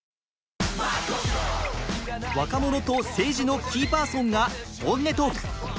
若者と政治のキーパーソンが本音トーク。